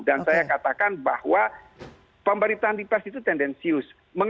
dan saya katakan bahwa pemberitaan di pers itu tendensius